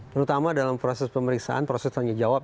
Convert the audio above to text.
terutama dalam proses pemeriksaan proses tanya jawab